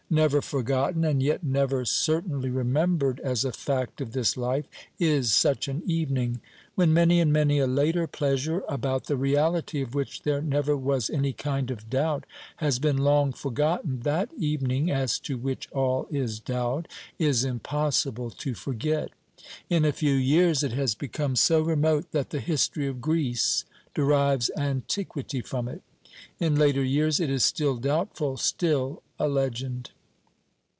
Never forgotten, and yet never certainly remembered as a fact of this life, is such an evening. When many and many a later pleasure, about the reality of which there never was any kind of doubt, has been long forgotten, that evening as to which all is doubt is impossible to forget. In a few years it has become so remote that the history of Greece derives antiquity from it. In later years it is still doubtful, still a legend.